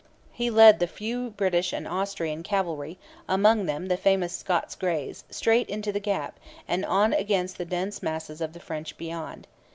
He led the few British and Austrian cavalry, among them the famous Scots Greys, straight into the gap and on against the dense masses of the French beyond.